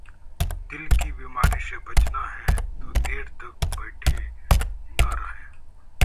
दिल की बीमारी से बचना है तो देर तक बैठे न रहें